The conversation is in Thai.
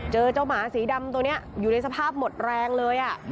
เจอเจ้าหมาสีดำตัวนี้อยู่ในสภาพหมดแรงเลย